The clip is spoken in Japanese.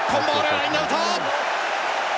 ラインアウト。